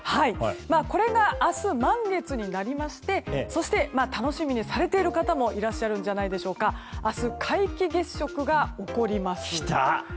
これが明日、満月になりましてそして楽しみにされている方もいらっしゃるんじゃないでしょうか明日、皆既月食が起こります。